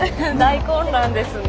大混乱ですね。